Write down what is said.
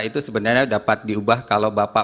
itu sebenarnya dapat diubah kalau bapak